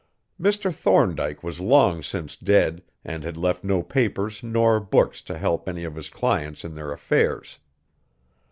Mr. Thorndyke was long since dead, and had left no papers nor books to help any of his clients in their affairs.